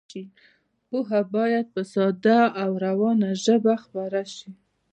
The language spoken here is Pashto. پوهه باید په ساده او روانه ژبه خپره شي.